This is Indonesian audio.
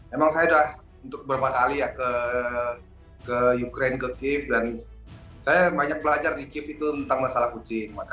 emang saya udah untuk beberapa kali ya ke ukraine ke kiev dan saya banyak belajar di kiev itu tentang masalah kucing